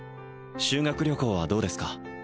修学旅行はどうですか？